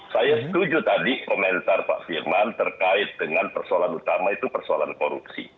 saya setuju tadi komentar pak firman terkait dengan persoalan utama itu persoalan korupsi